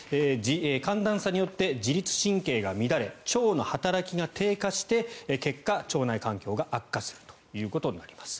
寒暖差によって自律神経が乱れ腸の働きが低下して結果、腸内環境が悪化するということになります。